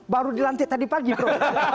baru dilantik tadi pagi prof